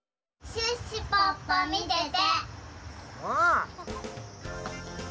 シュッシュポッポみてて！